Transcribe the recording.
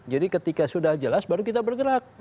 jadi ketika sudah jelas baru kita bergerak